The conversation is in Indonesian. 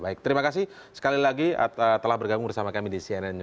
baik terima kasih sekali lagi telah bergabung bersama kami di cnn indonesia